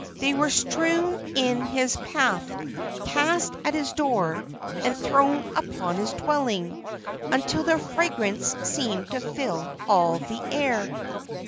They were strewn in his path, cast at his door and thrown upon his dwelling, until their fragrance seemed to fill all the air.